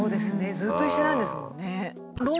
ずっと一緒なんですもんね。